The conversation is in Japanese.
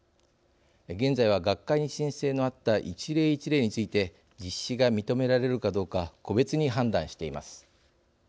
現在は学会に申請のあった１例１例について実施が認められるかどうか個別に判断しています。